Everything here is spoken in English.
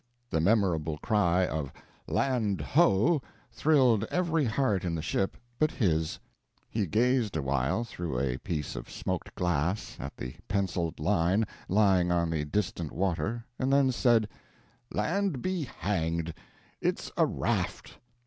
The memorable cry of "Land ho!" thrilled every heart in the ship but his. He gazed a while through a piece of smoked glass at the penciled line lying on the distant water, and then said: "Land be hanged, it's a raft!"